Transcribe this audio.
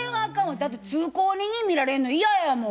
だって通行人に見られんの嫌やもん。